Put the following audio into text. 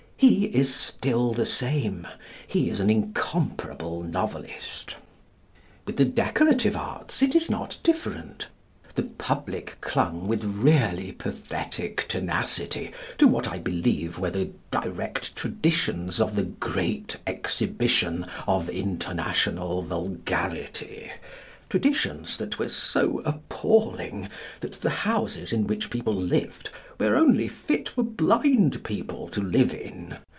He is still the same. He is an incomparable novelist. With the decorative arts it is not different. The public clung with really pathetic tenacity to what I believe were the direct traditions of the Great Exhibition of international vulgarity, traditions that were so appalling that the houses in which people lived were only fit for blind people to live in.